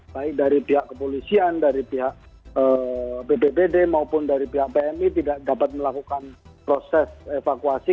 baik dari pihak kepolisian dari pihak bpbd maupun dari pihak pmi tidak dapat melakukan proses evakuasi